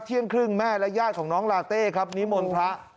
เที่ยงครึ่งแม่และญาติของน้องลาเต้ครับนิมนต์พระ